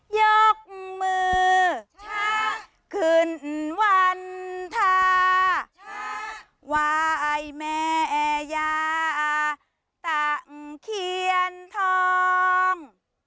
ยกมือขึ้นวันทาวายแม่ยาตั้งเขียนทอง